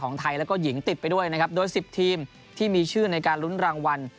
ไทยแล้วก็หญิงติดไปด้วยนะครับโดย๑๐ทีมที่มีชื่อในการลุ้นรางวัล